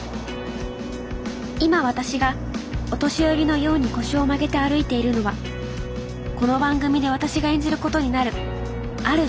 今私がお年寄りのように腰を曲げて歩いているのはこの番組で私が演じることになるある